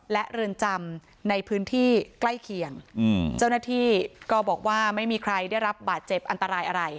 และเรือนจำในพื้นที่ใกล้เคียงเจ้าหน้าที่ก็บอกว่าไม่มีใครได้รับบาดเจ็บอันตรายอะไร